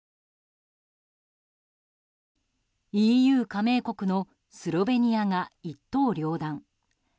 ＥＵ加盟国のスロベニアが一刀両断。